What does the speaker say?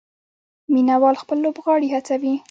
مینه وال خپل لوبغاړي هڅوي.